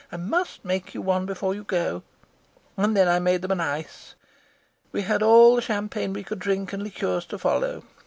I must make you one before you go and then I made them an ice. We had all the champagne we could drink and liqueurs to follow.